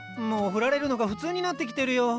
もうフラれるのが普通になってきてるよ。